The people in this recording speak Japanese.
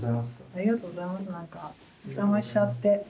ありがとうございますなんかお邪魔しちゃって。